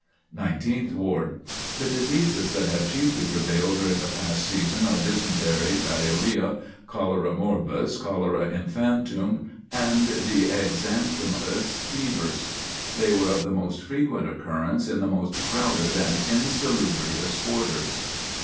Nineteenth Ward: The diseases that have chiefly prevailed during the past season are dysentery, diarrhoea, cholera morbus, cholera infantum and the exanthematous fevers. They were of the most frequent occurrence in the most crowded and insalubrious quarters.